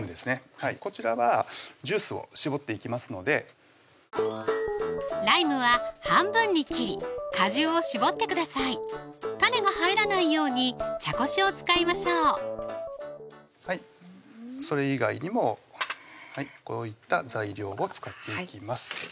こちらはジュースを搾っていきますのでライムは半分に切り果汁を搾ってください種が入らないように茶こしを使いましょうはいそれ以外にもこういった材料を使っていきます